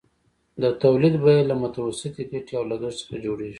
د تولید بیه له متوسطې ګټې او لګښت څخه جوړېږي